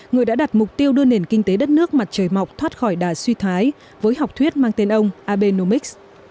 người đã đặt mục tiêu đưa nền kinh tế đất nước mặt trời mọc thoát khỏi đà suy thái với học thuyết mang tên ông abe nomix